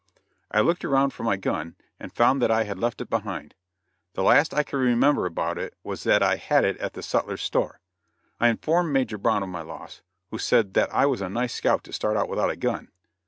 I looked around for my gun, and found that I had left it behind. The last I could remember about it was that I had it at the sutler's store. I informed Major Brown of my loss, who said that I was a nice scout to start out without a gun.